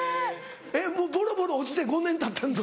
・えっボロボロ落ちて５年たったんですか。